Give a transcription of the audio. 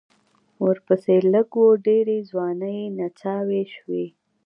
ورپسې لږ و ډېرې ځوانې نڅاوې شوې.